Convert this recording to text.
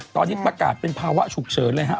ตอนนี้ประกาศเป็นภาวะฉุกเฉินเลยฮะ